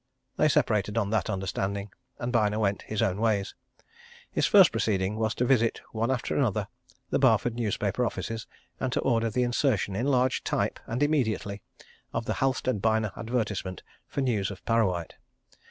They separated on that understanding, and Byner went his own ways. His first proceeding was to visit, one after another, the Barford newspaper offices, and to order the insertion in large type, and immediately, of the Halstead Byner advertisement for news of Parrawhite.